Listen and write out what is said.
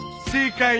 正解！